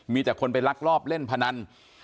มีแต่คนไปลักลอบเล่นพนัน